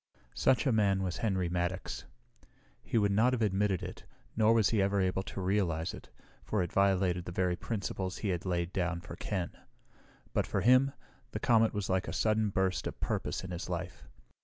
Such a man was Henry Maddox. He would not have admitted it, nor was he ever able to realize it, for it violated the very principles he had laid down for Ken. But for him, the comet was like a sudden burst of purpose in his life.